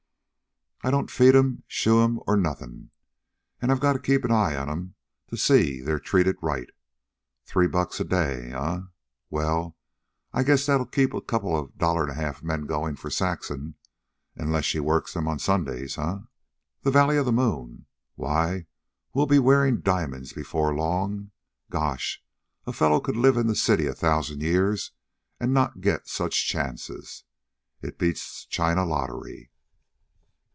I don't feed 'em, shoe 'm, or nothin', an' I keep an eye on 'm to see they're treated right. Three bucks a day, eh! Well, I guess that'll keep a couple of dollar an ' a half men goin' for Saxon, unless she works 'em Sundays. Huh! The Valley of the Moon! Why, we'll be wearin' diamonds before long. Gosh! A fellow could live in the city a thousan' years an' not get such chances. It beats China lottery."